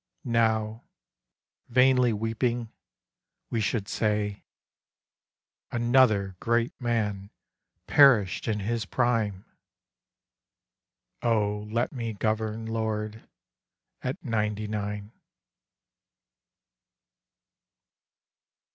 Now, vainly weeping, we should say, ' Another great man perished in his prime !' O let me govern, Lord, at ninety nine